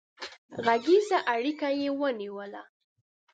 غږيزه اړيکه يې ونيوله